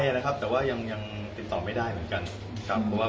เคยโทรไปอะนะครับแต่ว่ายังติดต่อไม่ได้เหมือนกันครับ